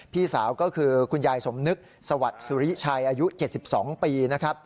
พี่สาวก็คือคุณยายสมนึกสวัสดีสุริไชร์อายุ๗๒ปี